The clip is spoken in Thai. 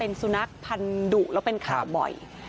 ตอนนี้ขอเอาผิดถึงที่สุดยืนยันแบบนี้